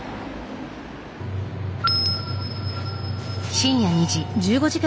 深夜２時。